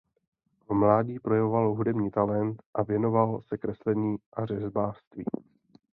V mládí projevoval hudební talent a věnoval se kreslení a řezbářství.